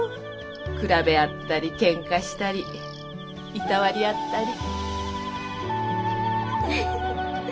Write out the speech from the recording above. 比べあったりけんかしたりいたわりあったり。